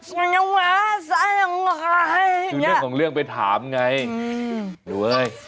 เป็นเรื่องของเรื่องไปถามง่าย